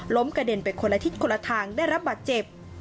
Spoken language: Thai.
กระเด็นไปคนละทิศคนละทางได้รับบาดเจ็บ